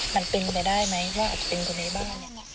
มันเป็นไปได้ไหมว่าอาจจะเป็นคนในบ้าน